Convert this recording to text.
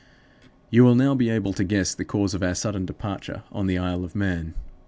"You will now be able to guess the cause of our sudden departure from the Isle of Man.